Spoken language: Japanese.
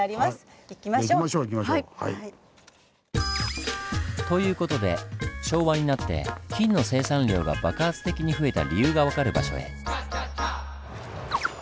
行きましょう。という事で昭和になって金の生産量が爆発的に増えた理由が分かる場所へ。